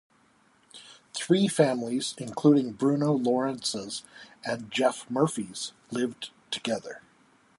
Three families, including Bruno Lawrence's and Geoff Murphy's, lived together.